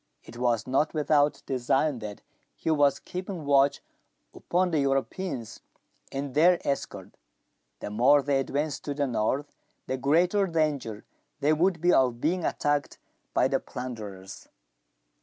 It was not without design that he was keeping watch upon the Europeans and their escort. The more they advanced to the north, the greater danger there would be of being* attacked by the plunderers.